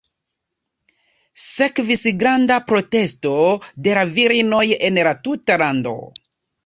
Sekvis granda protesto de la virinoj en la tuta lando.